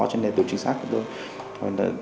cho nên là tù chính xác của tôi